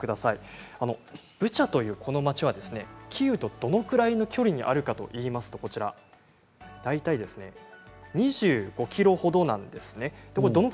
ブチャというこの町はキーウとどのぐらいの距離にあるかといいますと大体２５ｋｍほどなんですね。